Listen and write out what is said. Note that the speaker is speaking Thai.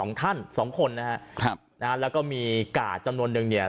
สองท่านสองคนนะฮะครับนะฮะแล้วก็มีกาดจำนวนนึงเนี่ย